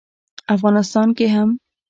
افغانستان کې هم